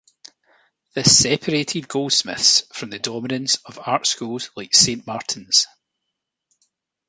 This separated Goldsmiths from the dominance of art schools like Saint Martins.